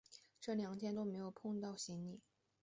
这两天都没碰到行李